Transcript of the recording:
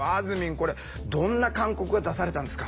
これどんな勧告が出されたんですか？